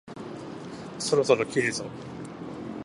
そろそろ切るぞ？